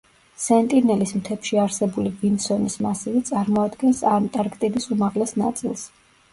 სენტინელის მთებში არსებული ვინსონის მასივი წარმოადგენს ანტარქტიდის უმაღლეს ნაწილს.